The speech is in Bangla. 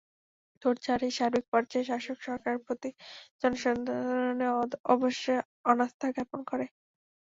ধৈর্য হারিয়ে সার্বিক পর্যায়ে শাসক সরকারের প্রতি জনসাধারণ অবশেষে অনাস্থা জ্ঞাপন করে।